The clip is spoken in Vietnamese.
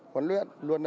huấn luyện luôn